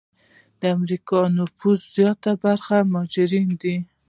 د امریکا د نفوسو زیاته برخه د مهاجرینو ده.